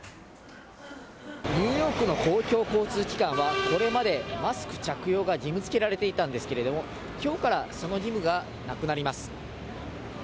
ニューヨークの公共交通機関は、これまでマスク着用が義務づけられていたんですけれども、きょうからその義務がなくなります。